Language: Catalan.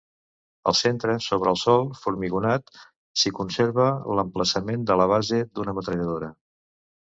Al centre, sobre el sòl formigonat, s'hi conserva l'emplaçament de la base d'una metralladora.